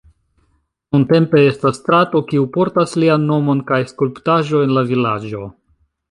Nuntempe estas strato kiu portas lian nomon kaj skulptaĵo en la vilaĝo.